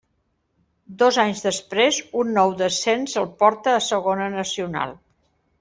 Dos anys després, un nou descens el porta a Segona Nacional.